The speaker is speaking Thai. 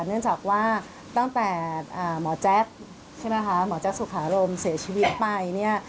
เนื่องจากว่าตั้งแต่หมอแจ๊กสุขารมเสียชีวิตไป